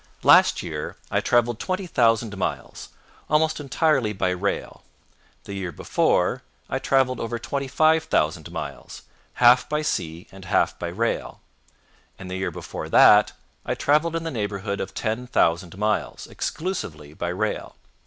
Last year I traveled twenty thousand miles, almost entirely by rail; the year before, I traveled over twenty five thousand miles, half by sea and half by rail; and the year before that I traveled in the neighborhood of ten thousand miles, exclusively by rail.